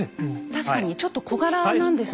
確かにちょっと小柄なんですね。